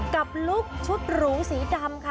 กับลูกชุดหรูสีดำค่ะ